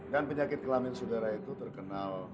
dan penyakit kelamin sudara itu terkenal